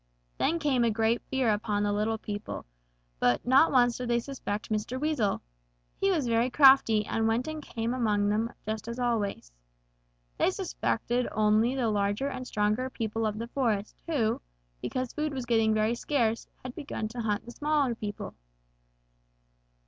Then came a great fear upon the littlest people, but not once did they suspect Mr. Weasel. He was very crafty and went and came among them just as always. They suspected only the larger and stronger people of the forest who, because food was getting very scarce, had begun to hunt the smaller people.